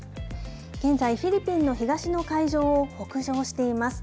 現在フィリピンの東の海上を北上しています。